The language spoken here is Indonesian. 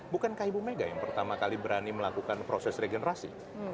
bukankah ibu mega yang pertama kali berani melakukan proses regenerasi